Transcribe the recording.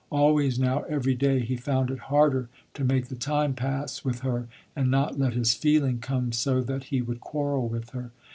Always now every day he found it harder to make the time pass, with her, and not let his feeling come so that he would quarrel with her.